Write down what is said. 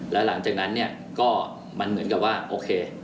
แล้วหลังจากนั้นเนี่ยก็มันเหมือนกับว่าโอเค